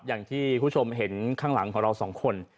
อย่างที่คุณผู้ชมเห็นข้างหลังของเราสองคน